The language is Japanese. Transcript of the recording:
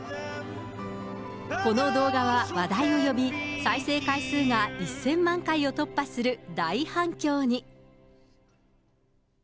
この動画は話題を呼び、再生回数が１０００万回を突破する大反響に。